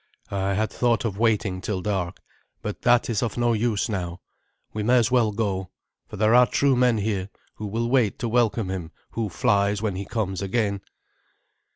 I had thought of waiting till dark, but that is of no use now. We may as well go, for there are true men here, who will wait to welcome him who flies when he comes again."